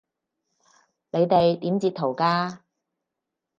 你哋點截圖㗎？